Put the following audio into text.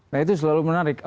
nah itu selalu menarik